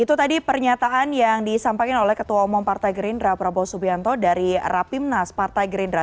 itu tadi pernyataan yang disampaikan oleh ketua umum partai gerindra prabowo subianto dari rapimnas partai gerindra